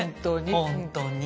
本当に。